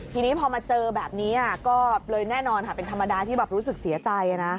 ทีนี้พอมาเจอแบบนี้ก็เลยแน่นอนค่ะเป็นธรรมดาที่แบบรู้สึกเสียใจนะ